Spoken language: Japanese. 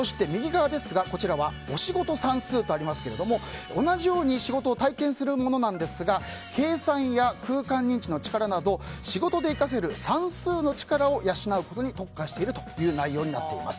こちらはおしごと算数とありますが同じように仕事を体験するものなんですが計算や空間認知の力など仕事で生かせる算数の力を養うことに特化している内容です。